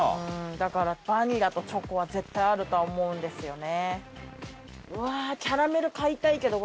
だからバニラとチョコは絶対あるとは思うんですよね。